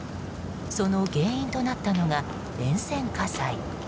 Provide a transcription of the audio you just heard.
その原因となったのが沿線火災。